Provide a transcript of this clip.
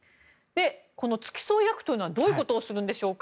この付き添い役というのはどういうことをするんでしょうか。